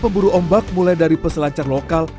pemburu ombak mulai dari peselancar lokal